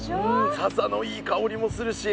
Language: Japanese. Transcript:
笹のいい香りもするし。